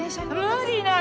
無理なの！